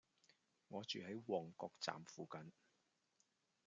我住喺旺角站附近